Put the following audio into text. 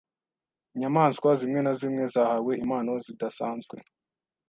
Inyamaswa zimwe na zimwe zahawe impano zidasanzwe.